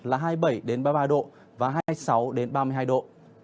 nhiệt độ hai khu vực quần đảo hoàng sa là hai mươi bảy ba mươi ba độ và hai mươi sáu ba mươi hai độ